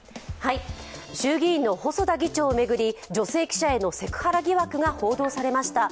衆議院の細田議長を巡り女性記者へのセクハラ疑惑が報道されました。